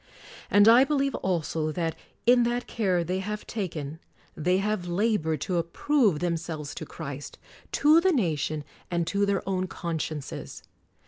And I believe also that, in that care they have taken, they have labored to approve themselves to Christ, to the nation and to their own con sciences.